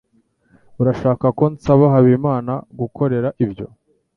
Urashaka ko nsaba Habimana kugukorera ibyo?